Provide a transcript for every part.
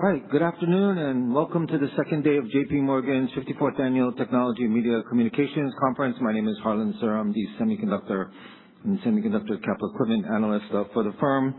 All right. Good afternoon and welcome to the second day of JPMorgan's 54th Annual Technology Media Communications Conference. My name is Harlan Sur. I'm the semiconductor and semiconductor capital equipment analyst for the firm.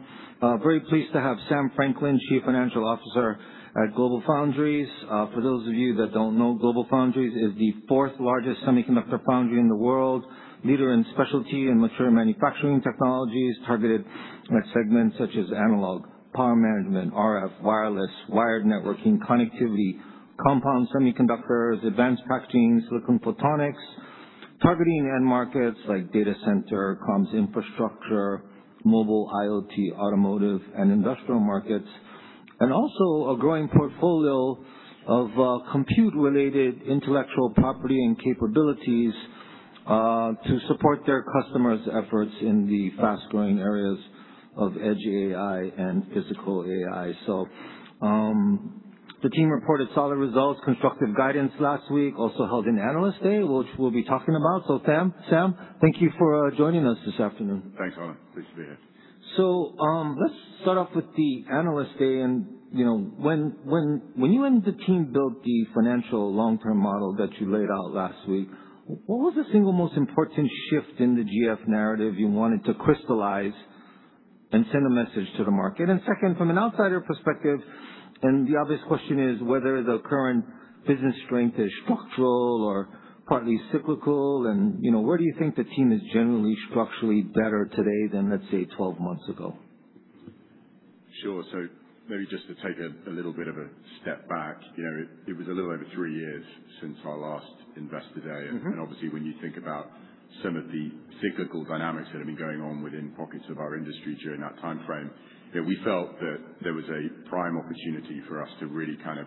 very pleased to have Sam Franklin, Chief Financial Officer at GlobalFoundries. For those of you that don't know, GlobalFoundries is the fourth largest semiconductor foundry in the world, leader in specialty and mature manufacturing technologies, targeted at segments such as analog, power management, RF, wireless, wired networking, connectivity, compound semiconductors, advanced packaging, silicon photonics, targeting end markets like data center, comms infrastructure, mobile IoT, automotive and industrial markets, and also a growing portfolio of compute related intellectual property and capabilities to support their customers' efforts in the fast growing areas of edge AI and physical AI. The team reported solid results, constructive guidance last week, also held an analyst day, which we'll be talking about. Sam, thank you for joining us this afternoon. Thanks, Harlan. Pleased to be here. Let's start off with the analyst day and, you know, when you and the team built the financial long-term model that you laid out last week, what was the single most important shift in the GF narrative you wanted to crystallize and send a message to the market? Second, from an outsider perspective, and the obvious question is whether the current business strength is structural or partly cyclical and, you know, where do you think the team is generally structurally better today than, let's say, 12 months ago? Sure. Maybe just to take a little bit of a step back. You know, it was a little over three years since our last Investor Day. Obviously, when you think about some of the cyclical dynamics that have been going on within pockets of our industry during that timeframe, you know, we felt that there was a prime opportunity for us to really kind of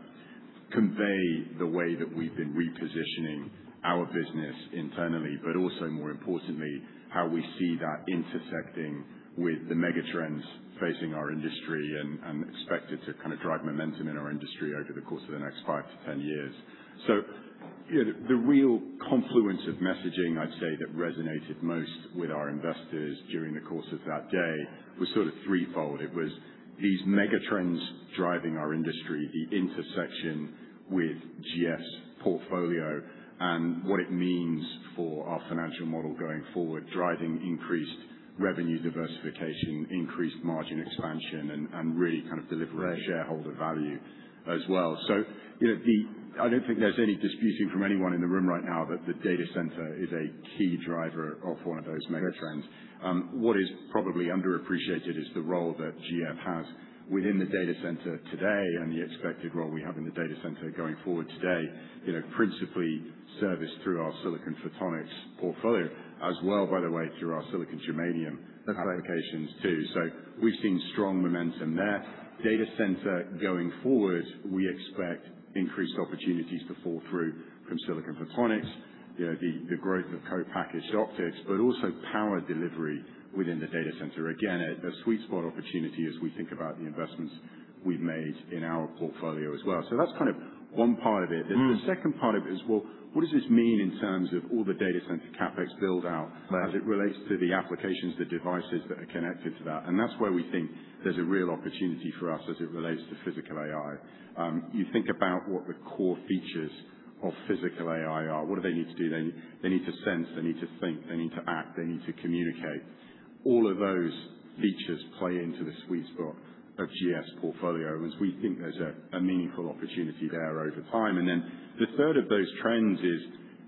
convey the way that we've been repositioning our business internally, but also more importantly, how we see that intersecting with the mega trends facing our industry and expected to kind of drive momentum in our industry over the course of the next five to 10 years. You know, the real confluence of messaging, I'd say that resonated most with our investors during the course of that day was sort of threefold. It was these mega trends driving our industry, the intersection with GF's portfolio and what it means for our financial model going forward, driving increased revenue diversification, increased margin expansion and really kind of delivering shareholder value as well. You know, I don't think there's any disputing from anyone in the room right now that the data center is a key driver of one of those mega trends. What is probably underappreciated is the role that GF has within the data center today and the expected role we have in the data center going forward today, you know, principally serviced through our silicon photonics portfolio as well, by the way, through our silicon germanium applications too. We've seen strong momentum there. Data center going forward, we expect increased opportunities to fall through from silicon photonics, you know, the growth of co-packaged optics, but also power delivery within the data center. Again, a sweet spot opportunity as we think about the investments we've made in our portfolio as well. That's kind of one part of it. The second part of it is, well, what does this mean in terms of all the data center CapEx build out. Right as it relates to the applications, the devices that are connected to that? That's where we think there's a real opportunity for us as it relates to physical AI. You think about what the core features of physical AI are. What do they need to do? They need to sense, they need to think, they need to act, they need to communicate. All of those features play into the sweet spot of GF's portfolio, as we think there's a meaningful opportunity there over time. Then the third of those trends is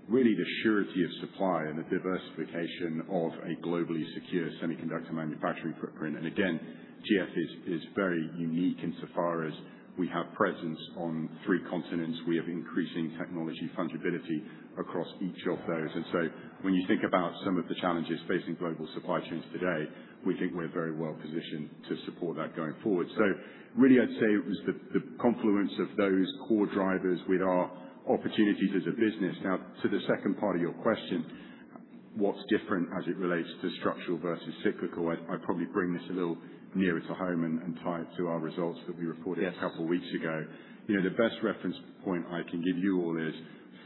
really the surety of supply and the diversification of a globally secure semiconductor manufacturing footprint. Again, GF is very unique in so far as we have presence on three continents. We have increasing technology fungibility across each of those. When you think about some of the challenges facing global supply chains today, we think we're very well positioned to support that going forward. Really I'd say it was the confluence of those core drivers with our opportunities as a business. Now to the second part of your question, what's different as it relates to structural versus cyclical? I probably bring this a little nearer to home and tie it to our results that we reported a couple weeks ago. Yes You know, the best reference point I can give you all is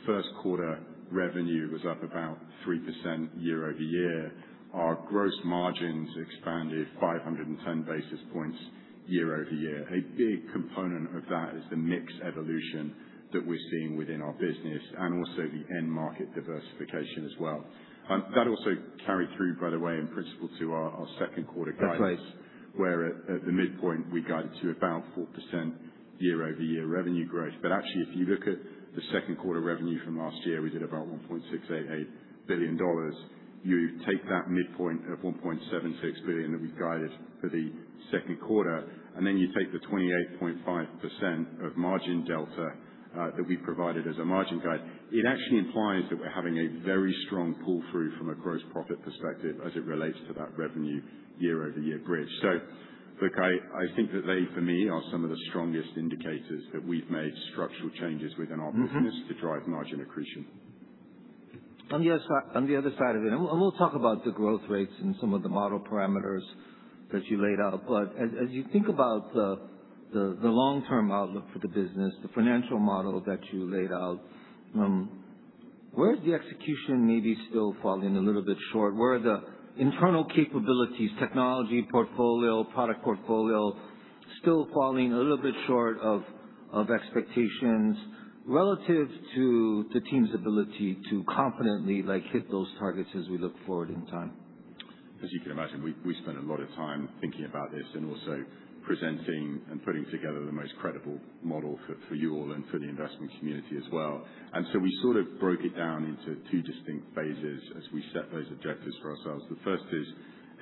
first quarter revenue was up about 3% year-over-year. Our gross margins expanded 510 basis points year-over-year. A big component of that is the mix evolution that we're seeing within our business and also the end market diversification as well. That also carried through, by the way, in principle to our second quarter guidance. That's right. where at the midpoint, we guided to about 4% year-over-year revenue growth. Actually, if you look at the second quarter revenue from last year, we did about $1.688 billion. You take that midpoint of $1.76 billion that we've guided for the second quarter, and then you take the 28.5% of margin delta that we provided as a margin guide. It actually implies that we're having a very strong pull through from a gross profit perspective as it relates to that revenue year-over-year bridge. Look, I think that they for me are some of the strongest indicators that we've made structural changes within our business. to drive margin accretion. On the other side of it, and we'll talk about the growth rates and some of the model parameters that you laid out. As you think about the long-term outlook for the business, the financial model that you laid out, where is the execution maybe still falling a little bit short? Where are the internal capabilities, technology portfolio, product portfolio still falling a little bit short of expectations relative to the team's ability to confidently, like, hit those targets as we look forward in time? As you can imagine, we spend a lot of time thinking about this and also presenting and putting together the most credible model for you all and for the investment community as well. We sort of broke it down into two distinct phases as we set those objectives for ourselves. The first is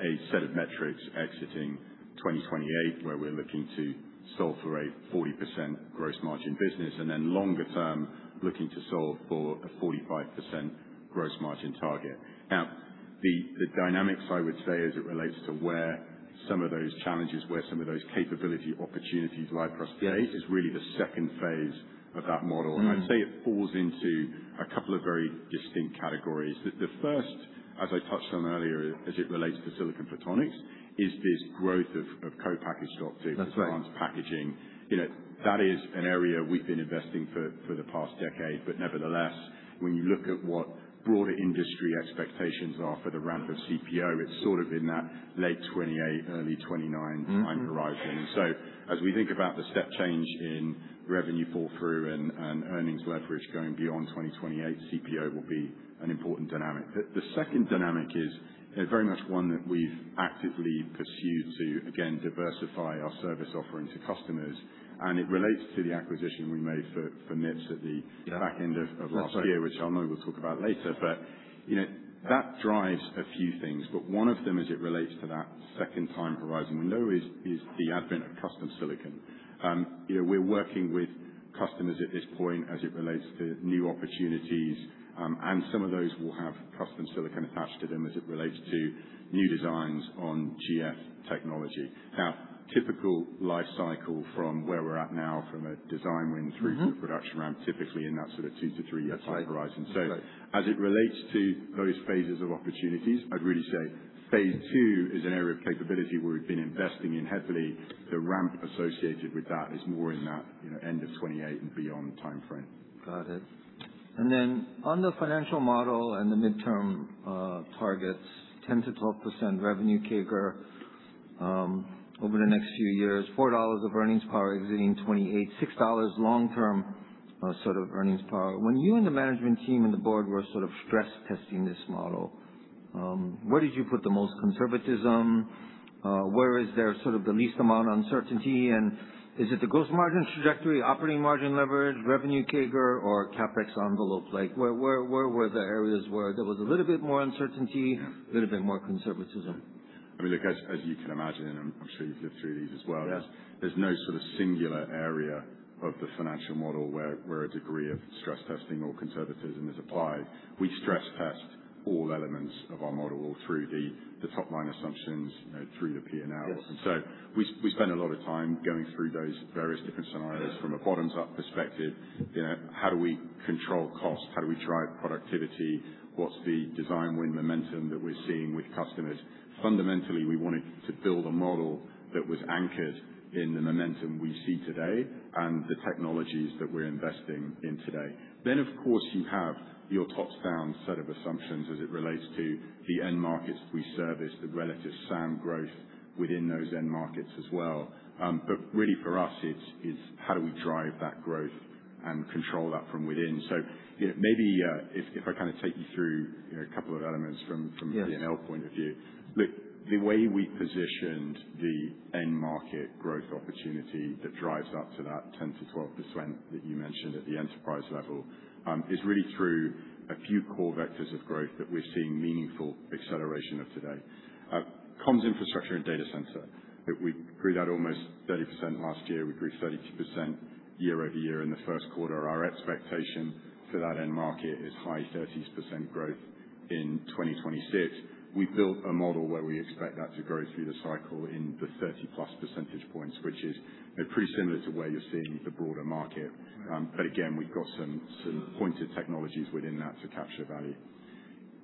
a set of metrics exiting 2028, where we're looking to solve for a 40% gross margin business, and then longer term, looking to solve for a 45% gross margin target. The dynamics I would say as it relates to where some of those challenges, where some of those capability opportunities lie for us today is really the second phase of that model. I'd say it falls into a couple of very distinct categories. The first, as I touched on earlier, as it relates to silicon photonics, is this growth of co-packaged optics. That's right. advanced packaging. You know, that is an area we've been investing for the past decade. Nevertheless, when you look at what broader industry expectations are for the ramp of CPO, it's sort of in that late 2028, early 2029 time horizon. As we think about the step change in revenue pull-through and earnings leverage going beyond 2028, CPO will be an important dynamic. The second dynamic is very much one that we've actively pursued to, again, diversify our service offering to customers. It relates to the acquisition we made for MIPS at the back end of last year. That's right. which I know we'll talk about later. You know, that drives a few things, but one of them as it relates to that second time horizon window is the advent of custom silicon. You know, we're working with customers at this point as it relates to new opportunities. Some of those will have custom silicon attached to them as it relates to new designs on GF technology. Typical life cycle from where we're at now from a design win through to production ramp, typically in that sort of two to three year type horizon. Right. As it relates to those phases of opportunities, I'd really say phase II is an area of capability where we've been investing in heavily. The ramp associated with that is more in that, you know, end of 2028 and beyond timeframe. Got it. On the financial model and the midterm targets, 10%-12% revenue CAGR over the next few years, $4 of earnings power exiting 2028, $6 long-term sort of earnings power. When you and the management team and the board were sort of stress testing this model, where did you put the most conservatism? Where is there sort of the least amount of uncertainty? Is it the gross margin trajectory, operating margin leverage, revenue CAGR, or CapEx envelope? Like where were the areas where there was a little bit more uncertainty? Yeah. A little bit more conservatism? I mean, look, as you can imagine, and I'm sure you've lived through these as well. Yes. There's no sort of singular area of the financial model where a degree of stress testing or conservatism is applied. We stress test all elements of our model through the top line assumptions, you know, through the P&L. Yes. We spend a lot of time going through those various different scenarios from a bottoms-up perspective. You know, how do we control cost? How do we drive productivity? What's the design win momentum that we're seeing with customers? Fundamentally, we wanted to build a model that was anchored in the momentum we see today and the technologies that we're investing in today. Of course, you have your top-down set of assumptions as it relates to the end markets we service, the relative sound growth within those end markets as well. Really for us it's how do we drive that growth and control that from within? You know, maybe, I kinda take you through, you know, a couple of elements. Yes. A P&L point of view. Look, the way we positioned the end market growth opportunity that drives up to that 10%-12% that you mentioned at the enterprise level, is really through a few core vectors of growth that we're seeing meaningful acceleration of today. Comms infrastructure and data center that we grew that almost 30% last year. We grew 32% year-over-year in the first quarter. Our expectation for that end market is high 30% growth in 2026. We've built a model where we expect that to grow through the cycle in the 30+ percentage points, which is, you know, pretty similar to where you're seeing the broader market. Again, we've got some pointed technologies within that to capture value.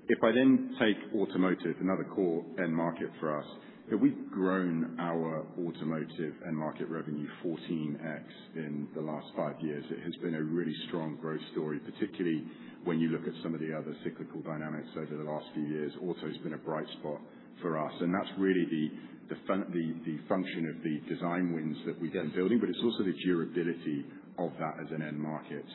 If I then take automotive, another core end market for us, that we've grown our automotive end market revenue 14x in the last five years. It has been a really strong growth story, particularly when you look at some of the other cyclical dynamics over the last few years. Auto's been a bright spot for us, and that's really the function of the design wins that we've been building. Yeah. It's also the durability of that as an end market.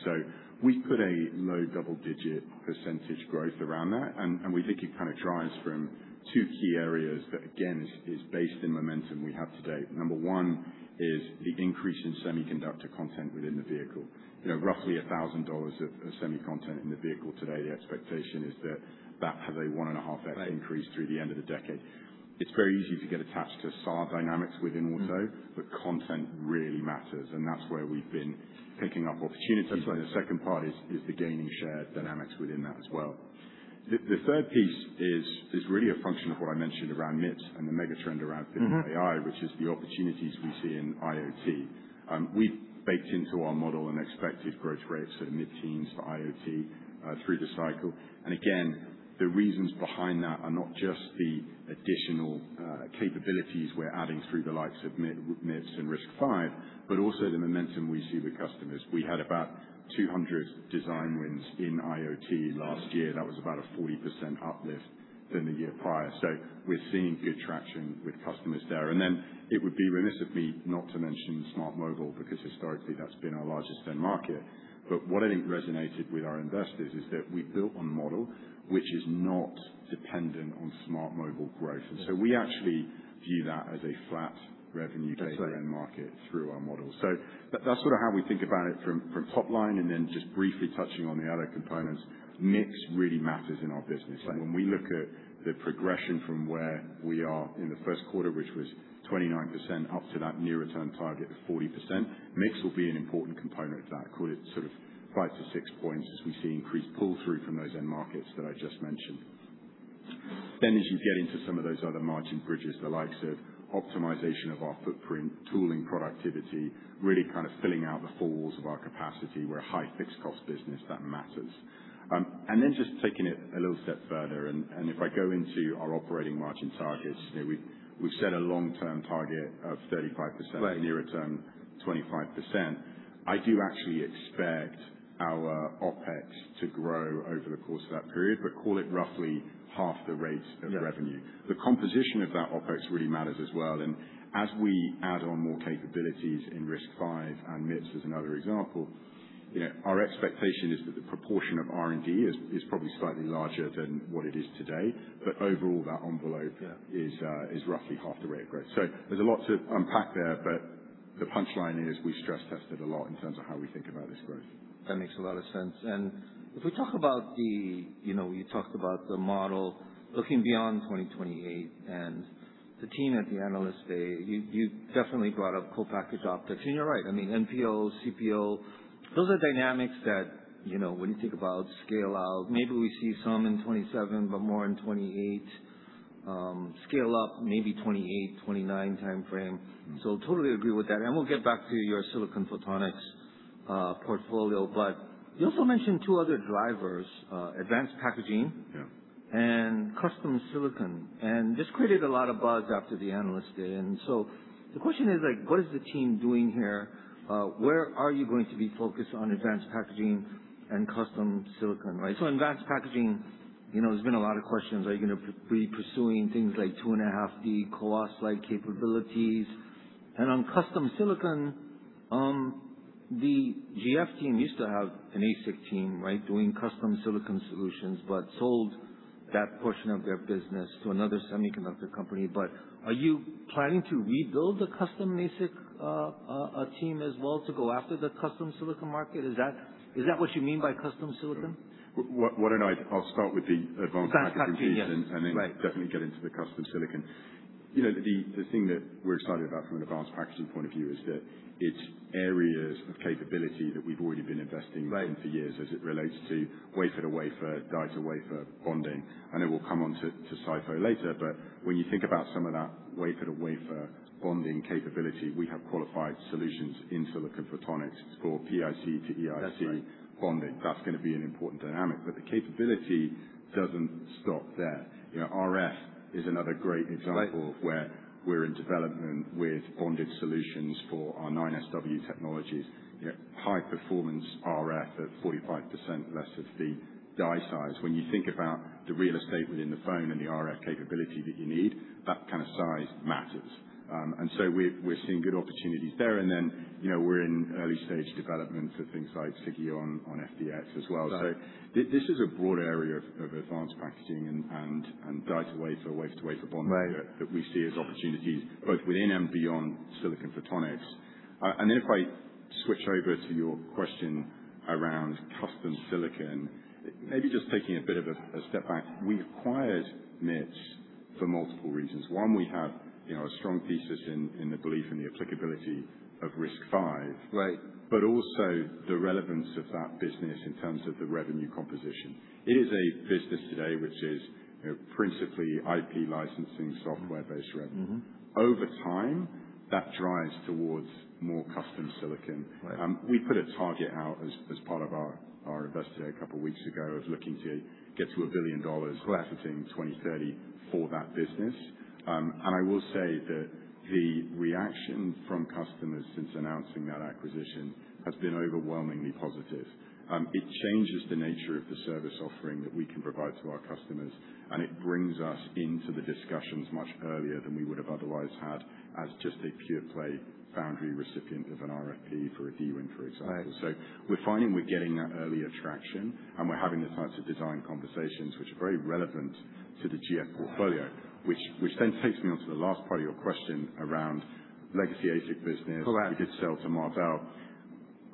We put a low double-digit percentage growth around that, and we think it kind of drives from two key areas that again, is based in momentum we have today. Number one is the increase in semiconductor content within the vehicle. You know, roughly $1,000 of semi content in the vehicle today. The expectation is that that has a 1.5x increase through the end of the decade. It's very easy to get attached to SAR dynamics within auto. Content really matters, and that's where we've been picking up opportunities. That's right. The second part is the gaining share dynamics within that as well. The third piece is really a function of what I mentioned around MIPS and the mega trend around fitting AI. which is the opportunities we see in IoT. We've baked into our model an expected growth rate, sort of mid-teens for IoT through the cycle. The reasons behind that are not just the additional capabilities we're adding through the likes of MIPS and RISC-V, but also the momentum we see with customers. We had about 200 design wins in IoT last year. That was about a 40% uplift than the year prior. We're seeing good traction with customers there. It would be remiss of me not to mention smart mobile, because historically that's been our largest end market. What I think resonated with our investors is that we built a model which is not dependent on smart mobile growth. We actually view that as a flat revenue base end market through our model. That's sort of how we think about it from top line, just briefly touching on the other components. Mix really matters in our business. When we look at the progression from where we are in the first quarter, which was 29%, up to that near-term target of 40%, mix will be an important component of that. Call it sort of 5 to 6 points as we see increased pull through from those end markets that I just mentioned. As you get into some of those other margin bridges, the likes of optimization of our footprint, tooling, productivity, really kind of filling out the four walls of our capacity. We're a high fixed cost business. That matters. Just taking it a little step further and if I go into our operating margin targets, you know, we've set a long-term target of 35%, nearer term, 25%. I do actually expect our OpEx to grow over the course of that period, but call it roughly half the rate of revenue. The composition of that OpEx really matters as well. As we add on more capabilities in RISC-V and MIPS is another example, you know, our expectation is that the proportion of R&D is probably slightly larger than what it is today. Overall, that envelope. Yeah. Is roughly half the rate of growth. There's a lot to unpack there. The punchline is we stress tested a lot in terms of how we think about this growth. That makes a lot of sense. If we talk about the You know, you talked about the model looking beyond 2028 and the team at the analyst day, you definitely brought up co-packaged optics, and you're right. I mean, NPO, CPO, those are dynamics that, you know, when you think about scale out, maybe we see some in 2027, but more in 2028, scale up, maybe 2028, 2029 timeframe. Totally agree with that. We'll get back to your silicon photonics portfolio. You also mentioned two other drivers, advanced packaging Yeah. Custom silicon. This created a lot of buzz after the analyst day. The question is like, what is the team doing here? Where are you going to be focused on advanced packaging and custom silicon? In advanced packaging, you know, there's been a lot of questions. Are you going to be pursuing things like 2.5D CoWoS like capabilities? On custom silicon, the GF team used to have an ASIC team, right? Doing custom silicon solutions, but sold that portion of their business to another semiconductor company. Are you planning to rebuild the custom ASIC team as well to go after the custom silicon market? Is that what you mean by custom silicon? I'll start with the advanced packaging piece. Advanced packaging, yes. Definitely get into the custom silicon. You know, the thing that we're excited about from an advanced packaging point of view is that it's areas of capability that we've already been investing in for years as it relates to wafer-to-wafer, die-to-wafer bonding, and it will come onto SiPho later. When you think about some of that wafer-to-wafer bonding capability, we have qualified solutions in silicon photonics for PIC to EIC bonding. That's gonna be an important dynamic, but the capability doesn't stop there. You know, RF is another great example of where we're in development with bonded solutions for our 9SW technologies. High performance RF at 45% less of the die size. When you think about the real estate within the phone and the RF capability that you need, that kind of size matters. We're seeing good opportunities there. You know, we're in early stage development of things like SiGe on FDX as well. This is a broad area of advanced packaging and die-to-wafer, wafer-to-wafer bonding that we see as opportunities both within and beyond silicon photonics. If I switch over to your question around custom silicon, maybe just taking a bit of a step back. We acquired MIPS for multiple reasons. One, we had, you know, a strong thesis in the belief in the applicability of RISC-V. Right. Also the relevance of that business in terms of the revenue composition. It is a business today which is, you know, principally IP licensing software based revenue. Over time, that drives towards more custom silicon. We put a target out as part of our investor day a couple weeks ago of looking to get to $1 billion. Right. By 2030 for that business. I will say that the reaction from customers since announcing that acquisition has been overwhelmingly positive. It changes the nature of the service offering that we can provide to our customers, it brings us into the discussions much earlier than we would have otherwise had as just a pure play foundry recipient of an RFP for a deal win, for example. Right. We're finding we're getting that early attraction, and we're having the types of design conversations which are very relevant to the GF portfolio. Which then takes me on to the last part of your question around legacy ASIC business. Correct. We could sell to Marvell.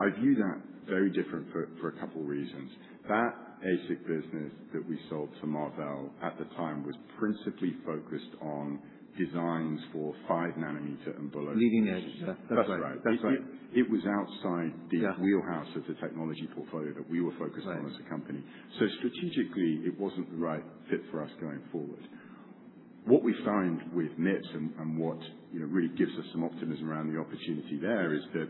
I view that very different for a couple reasons. That ASIC business that we sold to Marvell at the time was principally focused on designs for 5nm and below. Leading edge. That's right. That's right. It was outside the wheelhouse of the technology portfolio that we were focused on as a company. Strategically, it wasn't the right fit for us going forward. What we find with MIPS and what, you know, really gives us some optimism around the opportunity there is that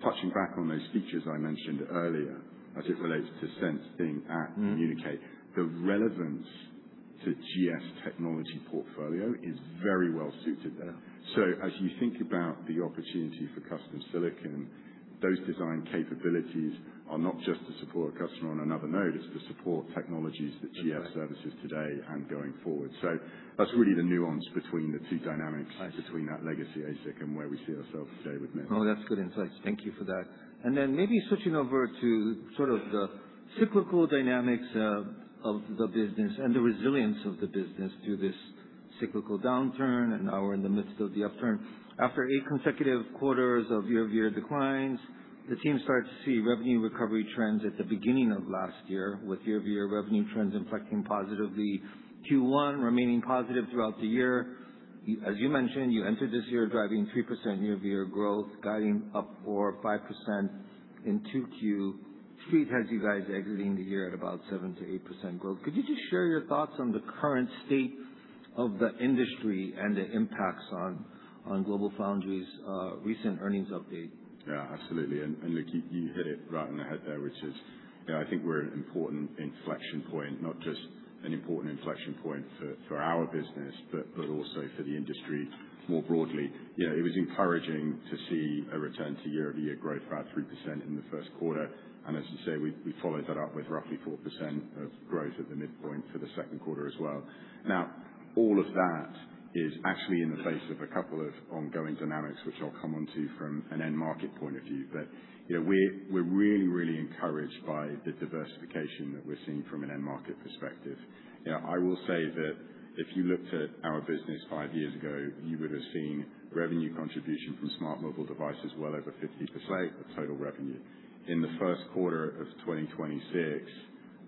touching back on those features I mentioned earlier as it relates to sense, think, act, communicate, the relevance to GF technology portfolio is very well suited there. As you think about the opportunity for custom silicon, those design capabilities are not just to support a customer on another node, it's to support technologies that GF services today and going forward. That's really the nuance between the two dynamics. I see. between that legacy ASIC and where we see ourselves today with MIPS. That's good insight. Thank you for that. Maybe switching over to sort of the cyclical dynamics of the business and the resilience of the business through this cyclical downturn. Now we're in the midst of the upturn. After eight consecutive quarters of year-over-year declines, the team started to see revenue recovery trends at the beginning of last year with year-over-year revenue trends inflecting positively, Q1 remaining positive throughout the year. As you mentioned, you entered this year driving 3% year-over-year growth, guiding up 4% or 5% in 2Q. Street has you guys exiting the year at about 7%-8% growth. Could you just share your thoughts on the current state of the industry and the impacts on GlobalFoundries' recent earnings update? Yeah, absolutely. Look, you hit it right on the head there, which is, you know, I think we're an important inflection point, not just an important inflection point for our business, but also for the industry more broadly. You know, it was encouraging to see a return to year-over-year growth, about 3% in the first quarter. As you say, we followed that up with roughly 4% of growth at the midpoint for the second quarter as well. All of that is actually in the face of a couple of ongoing dynamics, which I'll come onto from an end market point of view. You know, we're really, really encouraged by the diversification that we're seeing from an end market perspective. You know, I will say that if you looked at our business five years ago, you would have seen revenue contribution from smart mobile devices well over 50% of total revenue. In the first quarter of 2026,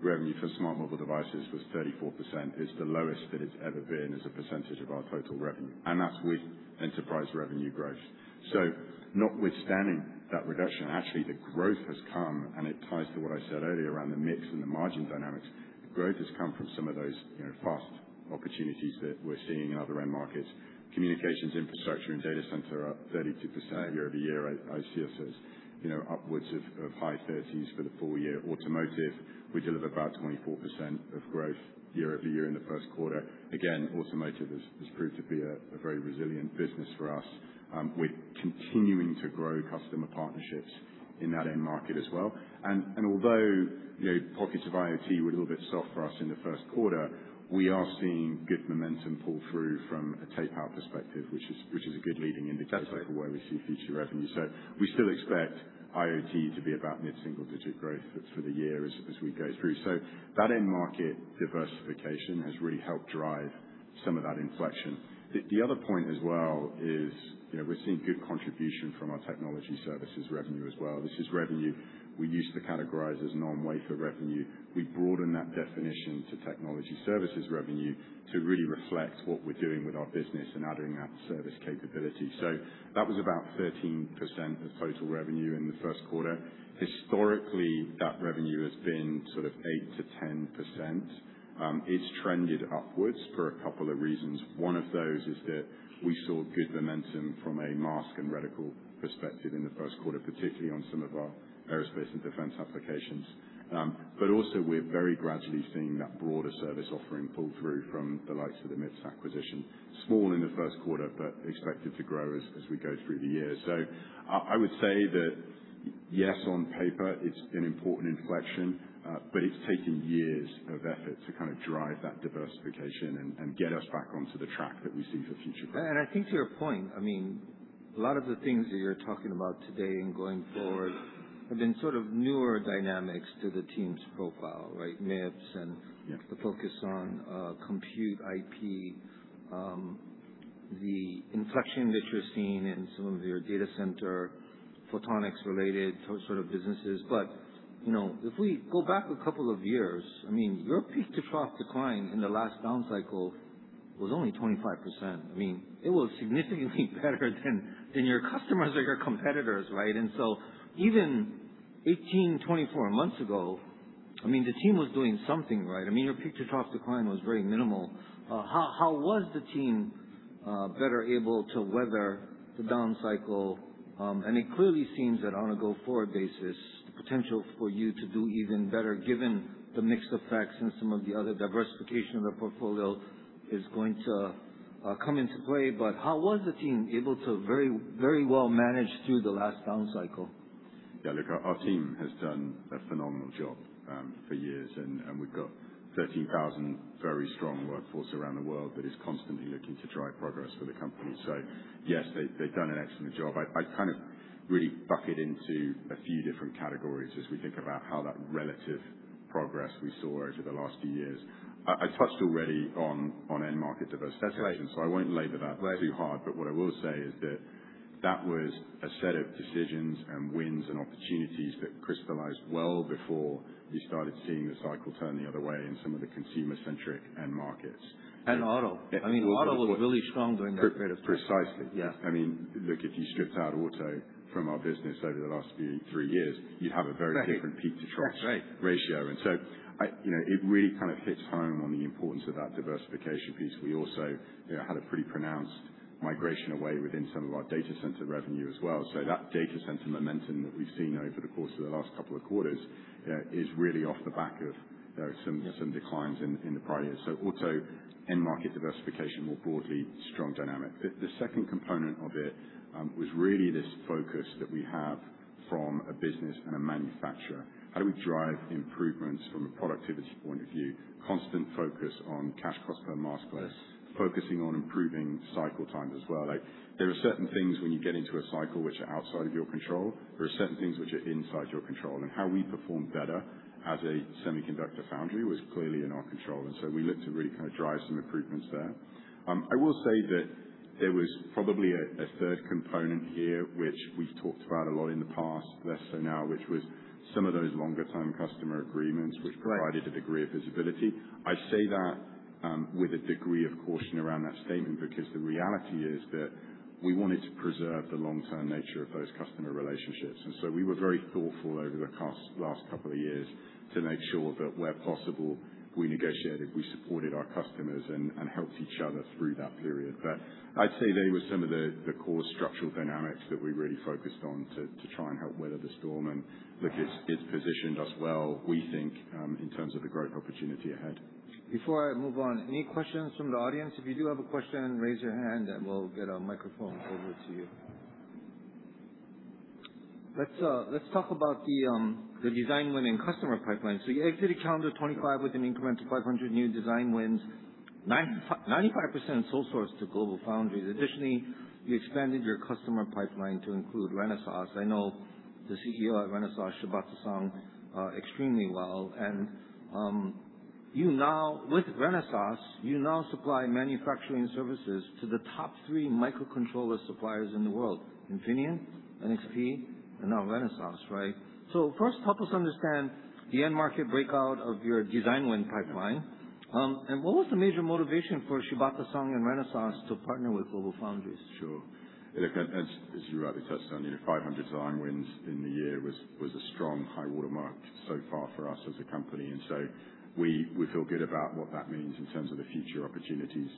revenue for smart mobile devices was 34%. It's the lowest that it's ever been as a percentage of our total revenue, and that's with enterprise revenue growth. Notwithstanding that reduction, actually the growth has come, and it ties to what I said earlier around the mix and the margin dynamics. Growth has come from some of those, you know, fast opportunities that we're seeing in other end markets. Communications infrastructure and data center are up 32% year-over-year. I see us as, you know, upwards of high 30% for the full-year. Automotive, we deliver about 24% of growth year-over-year in the first quarter. Again, automotive has proved to be a very resilient business for us, with continuing to grow customer partnerships in that end market as well. Although, you know, pockets of IoT were a little bit soft for us in the first quarter, we are seeing good momentum pull through from a tape-out perspective, which is a good leading indicator. That's right. for where we see future revenue. We still expect IoT to be about mid-single-digit growth for the year as we go through. That end market diversification has really helped drive some of that inflection. The other point as well is, you know, we're seeing good contribution from our technology services revenue as well. This is revenue we used to categorize as non-wafer revenue. We broaden that definition to technology services revenue to really reflect what we're doing with our business and adding that service capability. That was about 13% of total revenue in the first quarter. Historically, that revenue has been sort of 8%-10%. It's trended upwards for a couple of reasons. One of those is that we saw good momentum from a mask and reticle perspective in the first quarter, particularly on some of our aerospace and defense applications. Also, we're very gradually seeing that broader service offering pull through from the likes of the MIPS acquisition. Small in the first quarter, expected to grow as we go through the year. I would say that yes, on paper it's an important inflection, it's taken years of effort to kind of drive that diversification and get us back onto the track that we see for future growth. I think to your point, I mean, a lot of the things that you're talking about today and going forward have been sort of newer dynamics to the team's profile, right? MIPS. Yeah. the focus on compute IP, the inflection that you're seeing in some of your data center, photonics related sort of businesses. You know, if we go back a couple of years, I mean, your peak-to-trough decline in the last down cycle was only 25%. I mean, it was significantly better than your customers or your competitors, right? Even 18, 24 months ago, I mean, the team was doing something right. I mean, your peak-to-trough decline was very minimal. How was the team better able to weather the down cycle? It clearly seems that on a go-forward basis, the potential for you to do even better given the mix effects and some of the other diversification of the portfolio is going to come into play. How was the team able to very well manage through the last down cycle? Yeah. Look, our team has done a phenomenal job for years, and we've got 13,000 very strong workforce around the world that is constantly looking to drive progress for the company. Yes, they've done an excellent job. I kind of really bucket into a few different categories as we think about how that relative progress we saw over the last few years. I touched already on end market diversification. Okay. I won't labor that too hard. What I will say is that was a set of decisions and wins and opportunities that crystallized well before you started seeing the cycle turn the other way in some of the consumer centric end markets. Auto. I mean, auto was really strong during that period of time. Pre-precisely. Yeah. I mean, look, if you stripped out auto from our business over the last few three years, you'd have a very different peak-to-trough. That's right. ratio. I, you know, it really kind of hits home on the importance of that diversification piece. We also, you know, had a pretty pronounced migration away within some of our data center revenue as well. That data center momentum that we've seen over the course of the last couple of quarters is really off the back of, you know, some declines in the prior years. Auto end market diversification, more broadly, strong dynamic. The second component of it was really this focus that we have from a business and a manufacturer, how do we drive improvements from a productivity point of view? Constant focus on cash cost per wafer. Yes. Focusing on improving cycle times as well. Like, there are certain things when you get into a cycle which are outside of your control. There are certain things which are inside your control. How we perform better as a semiconductor foundry was clearly in our control. We looked to really kind of drive some improvements there. I will say that there was probably a third component here, which we've talked about a lot in the past, less so now, which was some of those longer term customer agreements which provided Right. a degree of visibility. I say that, with a degree of caution around that statement, because the reality is that we wanted to preserve the long term nature of those customer relationships. We were very thoughtful over the past last couple of years to make sure that where possible, we negotiated, we supported our customers and helped each other through that period. I'd say they were some of the core structural dynamics that we really focused on to try and help weather the storm and look, it's positioned us well, we think, in terms of the growth opportunity ahead. Before I move on, any questions from the audience? If you do have a question, raise your hand and we'll get a microphone over to you. Let's talk about the design win and customer pipeline. You exited calendar 2025 with an increment to 500 new design wins, 95% sole source to GlobalFoundries. Additionally, you expanded your customer pipeline to include Renesas. I know the CEO at Renesas, Shibata-san, extremely well. You now, with Renesas, you now supply manufacturing services to the top three microcontroller suppliers in the world, Infineon, NXP, and now Renesas. Right? First, help us understand the end market breakout of your design win pipeline. What was the major motivation for Shibata-san and Renesas to partner with GlobalFoundries? Sure. Look, as you rightly touched on, you know, 500 design wins in the year was a strong high water mark so far for us as a company. We feel good about what that means in terms of the future opportunities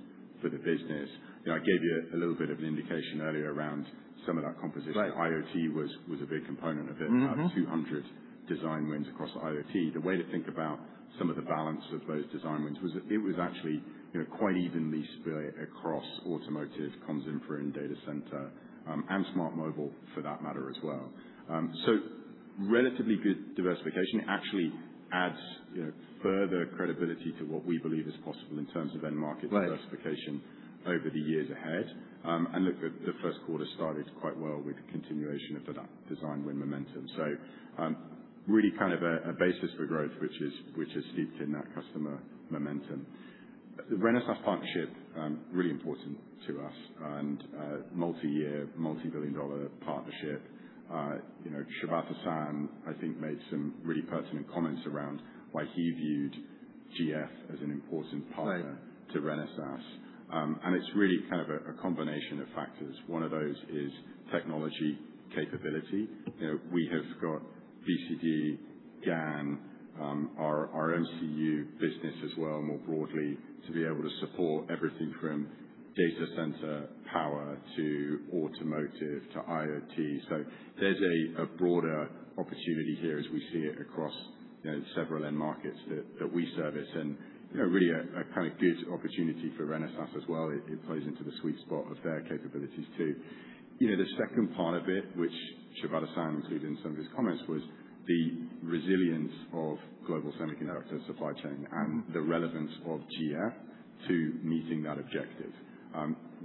for the business. You know, I gave you a little bit of an indication earlier around some of that composition. Right. IoT was a big component of it. 200 design wins across IoT. The way to think about some of the balance of those design wins was it was actually, you know, quite evenly split across automotive, comms, infra, and data center, and smart mobile for that matter as well. Relatively good diversification. It actually adds, you know, further credibility to what we believe is possible in terms of end market diversification. Right. over the years ahead. The first quarter started quite well with the continuation of that design win momentum. Really kind of a basis for growth which is steeped in that customer momentum. The Renesas partnership, really important to us and a multi-year, multi-billion dollar partnership. You know, Shibata-san, I think, made some really pertinent comments around why he viewed GF as an important partner. Right. to Renesas. It's really kind of a combination of factors. One of those is technology capability. You know, we have got BCD, GaN, our MCU business as well, more broadly, to be able to support everything from data center power to automotive to IoT. There's a broader opportunity here as we see it across, you know, several end markets that we service and, you know, really a kind of good opportunity for Renesas as well. It plays into the sweet spot of their capabilities too. You know, the second part of it, which Shibata-san included in some of his comments, was the resilience of global semiconductor supply chain and the relevance of GF to meeting that objective.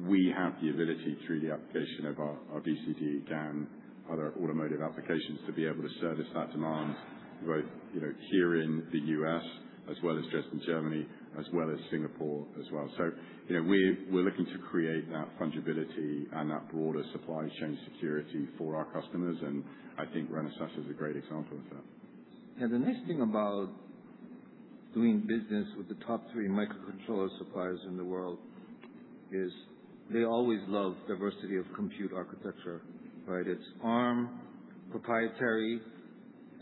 We have the ability through the application of our BCD, GaN, other automotive applications, to be able to service that demand both, you know, here in the U.S. as well as Dresden, Germany, as well as Singapore as well. You know, we're looking to create that fungibility and that broader supply chain security for our customers, and I think Renesas is a great example of that. The nice thing about doing business with the top three microcontroller suppliers in the world is they always love diversity of compute architecture, right? It's Arm proprietary,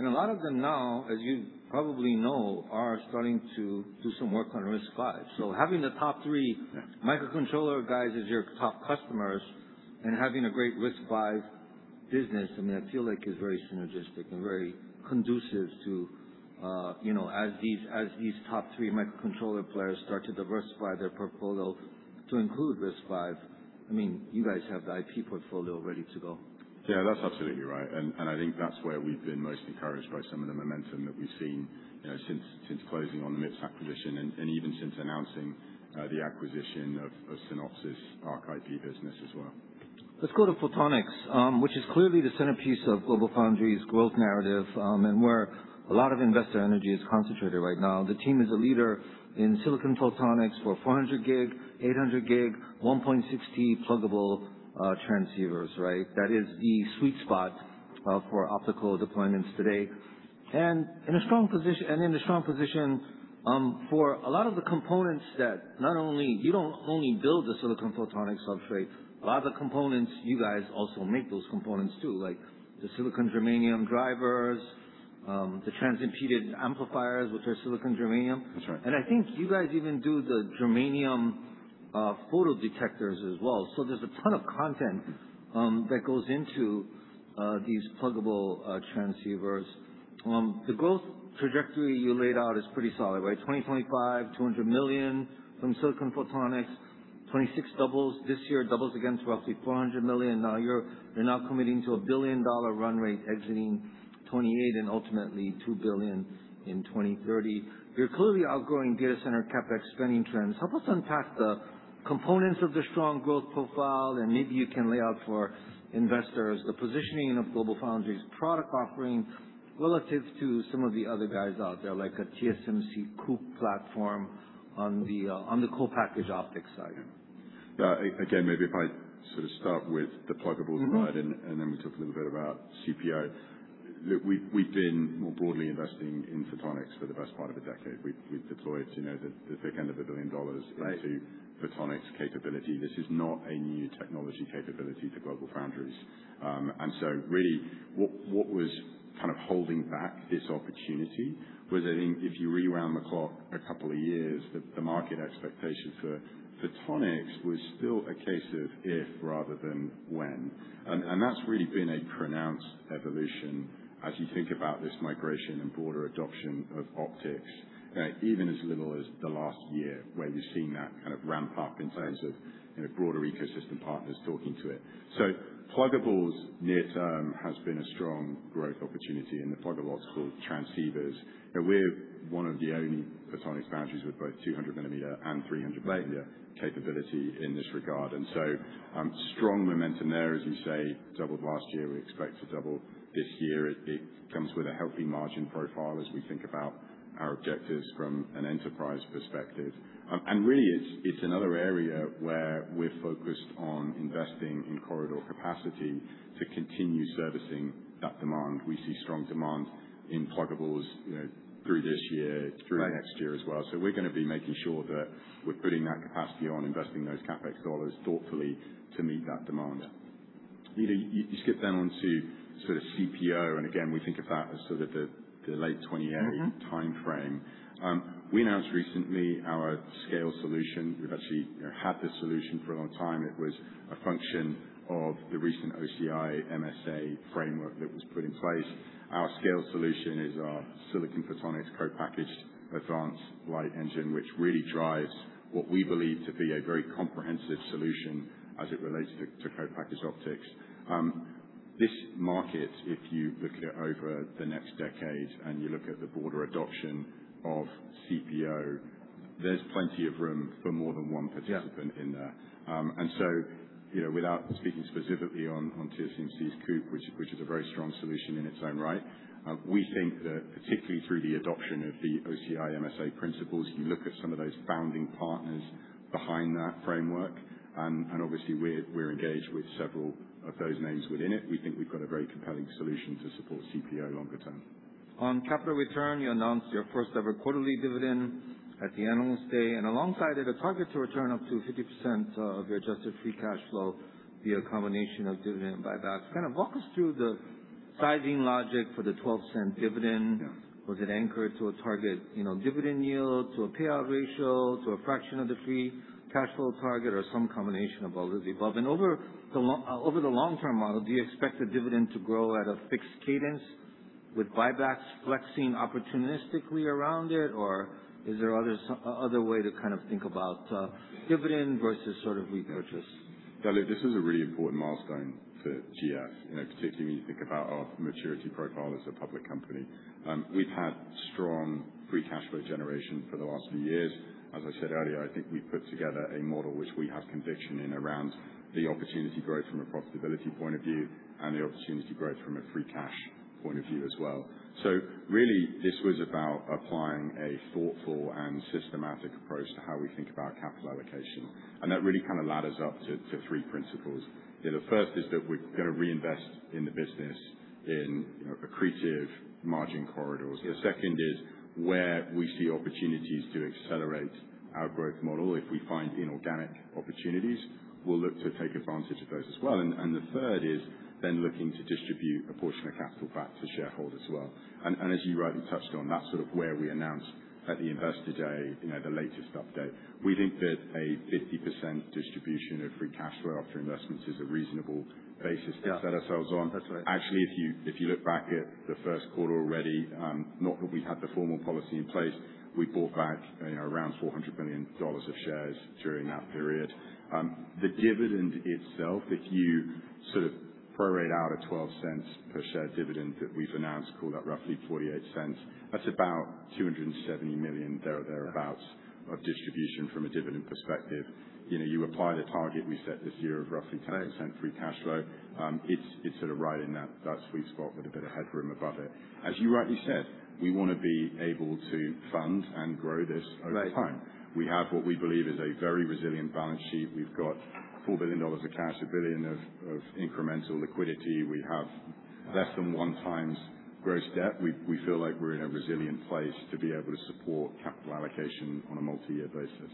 a lot of them now, as you probably know, are starting to do some work on RISC-V. Having the top three microcontroller guys as your top customers and having a great RISC-V business, I mean, I feel like is very synergistic and very conducive to, you know, as these top three microcontroller players start to diversify their portfolios to include RISC-V, I mean, you guys have the IP portfolio ready to go. Yeah, that's absolutely right. I think that's where we've been most encouraged by some of the momentum that we've seen, you know, since closing on the MIPS acquisition and even since announcing the acquisition of Synopsys ARC IP business as well. Let's go to photonics, which is clearly the centerpiece of GlobalFoundries growth narrative, and where a lot of investor energy is concentrated right now. The team is a leader in silicon photonics for 400G, 800G, 1.60T pluggable transceivers, right? That is the sweet spot for optical deployments today. In a strong position, for a lot of the components that not only. You don't only build the silicon photonic substrate, a lot of the components, you guys also make those components too, like the silicon germanium drivers, the transimpedance amplifiers, which are silicon germanium. That's right. I think you guys even do the germanium photodetectors as well. There's a ton of content that goes into these pluggable transceivers. The growth trajectory you laid out is pretty solid, right? 2025, $200 million from silicon photonics. 2026 doubles this year, doubles again to roughly $400 million. You're now committing to a $1 billion run rate exiting 2028 and ultimately $2 billion in 2030. You're clearly outgrowing data center CapEx spending trends. Help us unpack the components of the strong growth profile and maybe you can lay out for investors the positioning of GlobalFoundries product offering relative to some of the other guys out there, like a TSMC COUPE platform on the co-packaged optics side. Yeah. Again, maybe if I sort of start with the pluggable divide and then we talk a little bit about CPO. Look, we've been more broadly investing in photonics for the best part of a decade. We've deployed, you know, the thick end of $1 billion. Right. into photonics capability. This is not a new technology capability to GlobalFoundries. Really, what was kind of holding back this opportunity was that if you rewound the clock a couple of years, the market expectation for photonics was still a case of if rather than when. That's really been a pronounced evolution as you think about this migration and broader adoption of optics, even as little as the last year, where you've seen that kind of ramp up in terms of, you know, broader ecosystem partners talking to it. So pluggables near term has been a strong growth opportunity in the pluggable optical transceivers. You know, we're one of the only photonics foundries with both 200mm and 300mm capability in this regard. Strong momentum there, as you say, doubled last year. We expect to double this year. It comes with a healthy margin profile as we think about our objectives from an enterprise perspective. Really it's another area where we're focused on investing in corridor capacity to continue servicing that demand. We see strong demand in pluggables, you know, through this year, through next year as well. We're gonna be making sure that we're putting that capacity on investing those CapEx dollars thoughtfully to meet that demand. You know, you skip then onto sort of CPO, again we think of that as sort of the late 20 area timeframe. We announced recently our SCALE solution. We've actually, you know, had this solution for a long time. It was a function of the recent OCI MSA framework that was put in place. Our SCALE solution is our Silicon-photonics Co-packaged Advanced Light Engine, which really drives what we believe to be a very comprehensive solution as it relates to co-packaged optics. This market, if you look at over the next decade and you look at the broader adoption of CPO, there's plenty of room for more than one participant in there. You know, without speaking specifically on TSMC's COUPE, which is a very strong solution in its own right, we think that particularly through the adoption of the OCI MSA principles, you look at some of those founding partners behind that framework, and obviously we're engaged with several of those names within it. We think we've got a very compelling solution to support CPO longer term. On capital return, you announced your first ever quarterly dividend at the analyst day, alongside it, a target to return up to 50% of your adjusted free cash flow via a combination of dividend buyback. Kind of walk us through the sizing logic for the $0.12 dividend. Yeah. Was it anchored to a target, you know, dividend yield to a payout ratio, to a fraction of the free cash flow target or some combination of all of the above? Over the long-term model, do you expect the dividend to grow at a fixed cadence with buybacks flexing opportunistically around it, or is there other way to kind of think about dividend versus sort of repurchase? Yeah, look, this is a really important milestone for GF, you know, particularly when you think about our maturity profile as a public company. We've had strong free cash flow generation for the last few years. As I said earlier, I think we've put together a model which we have conviction in around the opportunity growth from a profitability point of view and the opportunity growth from a free cash point of view as well. Really this was about applying a thoughtful and systematic approach to how we think about capital allocation, and that really kind of ladders up to three principles. You know, the first is that we're gonna reinvest in the business in, you know, accretive margin corridors. The second is where we see opportunities to accelerate our growth model. If we find inorganic opportunities, we'll look to take advantage of those as well. The third is then looking to distribute a portion of capital back to shareholders as well. As you rightly touched on, that's sort of where we announced at the Investor Day, you know, the latest update. We think that a 50% distribution of free cash flow after investments is a reasonable basis to set ourselves on. That's right. Actually, if you look back at the first quarter already, not that we had the formal policy in place, we bought back, you know, around $400 million of shares during that period. The dividend itself, if you sort of prorate out a $0.12 per share dividend that we've announced, call that roughly $0.48, that's about $270 million there or thereabouts of distribution from a dividend perspective. You know, you apply the target we set this year of roughly 10% free cash flow. It's sort of right in that sweet spot with a bit of headroom above it. As you rightly said, we wanna be able to fund and grow this over time. Right. We have what we believe is a very resilient balance sheet. We've got $4 billion of cash, $1 billion of incremental liquidity. We have less than 1x gross debt. We feel like we're in a resilient place to be able to support capital allocation on a multi-year basis.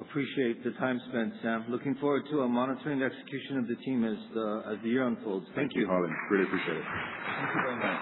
Appreciate the time spent, Sam. Looking forward to monitoring the execution of the team as the year unfolds. Thank you. Thank you, Harlan. Really appreciate it. Thank you very much.